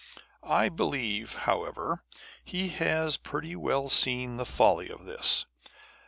I believe, however, he has pretty well seen the folly of this.